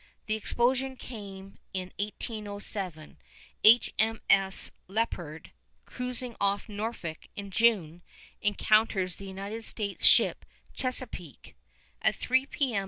The explosion came in 1807. H. M. S. Leopard, cruising off Norfolk in June, encounters the United States ship Chesapeake. At 3 P.M.